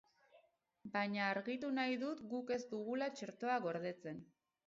Baina argitu nahi dut guk ez dugula txertoa gordetzen.